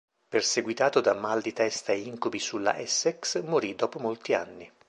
Perseguitato da mal di testa e incubi sulla Essex, morì dopo molti anni.